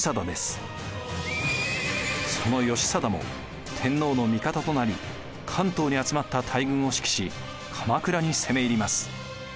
その義貞も天皇の味方となり関東に集まった大軍を指揮し鎌倉に攻め入ります。